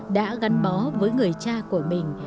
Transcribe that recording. đã gắn bó với người cha của mình